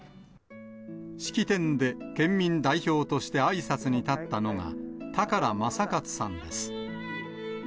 式典で県民代表として、あいさつに立ったのが、高良政勝さんです。